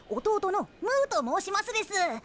弟のムーと申しますです。